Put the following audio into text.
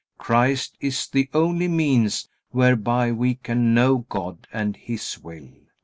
Christ is the only means whereby we can know God and His will.